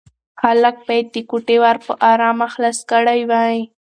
هلک باید د کوټې ور په ارامه خلاص کړی وای.